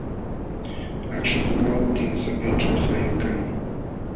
Akśhu pulwamutin sapinćhuupis wayun kanmi.